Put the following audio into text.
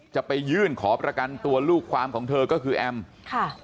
จะไปยื่นขอประกันตัวลูกความของเธอก็คือแอมค่ะ